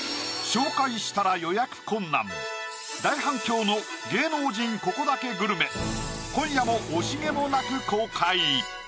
紹介したら予約困難大反響の芸能人「ここだけグルメ」今夜も惜しげもなく公開！